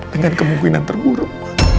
jangan kemungkinan terburuk